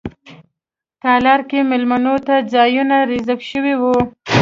تالار کې میلمنو ته ځایونه ریزرف شوي وو.